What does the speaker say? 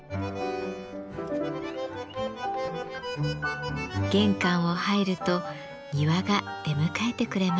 玄関を入ると庭が出迎えてくれます。